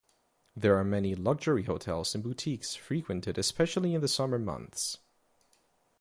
There are many luxury hotels and boutiques frequented especially in the summer months.